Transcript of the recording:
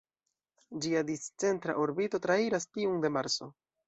Ĝia discentra orbito trairas tiun de Marso.